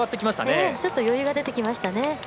ちょっと余裕が出てきましたね。